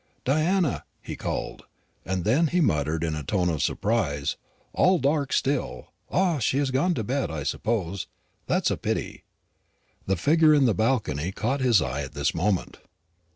"Diana," he called; and then he muttered in a tone of surprise, "all dark still. Ah! she has gone to bed, I suppose. That's a pity!" The figure in the balcony caught his eye at this moment.